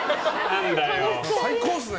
最高っすね！